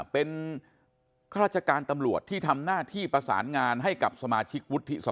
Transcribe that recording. เป็นข้าราชการตำรวจที่ทำหน้าที่ประสานงานให้กับสมาชิกวุฒิสภา